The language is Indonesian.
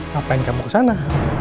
ngapain kamu ke sana